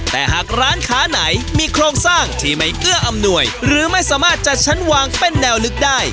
แต่หากร้านค้าไหนมีโครงสร้างที่ไม่เอื้ออำนวยหรือไม่สามารถจัดชั้นวางเป็นแนวนึกได้